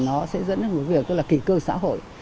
nó sẽ dẫn đến một việc kỳ cơ xã hội